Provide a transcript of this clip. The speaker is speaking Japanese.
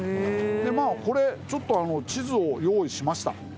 まあこれ地図を用意しました。